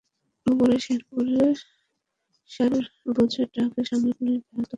বগুড়ার শেরপুরে সারবোঝাই ট্রাকের সঙ্গে পুলিশ বহন করা ট্রাকের মুখোমুখি সংঘর্ষ হয়েছে।